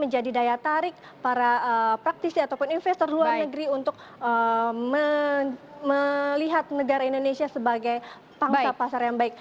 menjadi daya tarik para praktisi ataupun investor luar negeri untuk melihat negara indonesia sebagai bangsa pasar yang baik